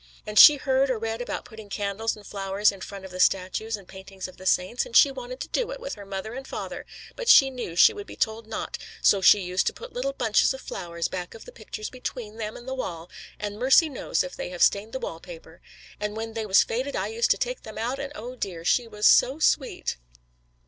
"And she heard or read about putting candles and flowers in front of the statues and paintings of the saints, and she wanted to do it with her mother and father, but she knew she would be told not, so she used to put little bunches of flowers back of the pictures between them and the wall, and mercy knows if they have stained the wall paper. And when they was faded I used to take them out, and oh dear, she was so sweet!"